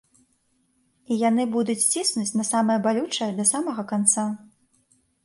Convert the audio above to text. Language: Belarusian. І яны будуць ціснуць на самае балючае да самага канца.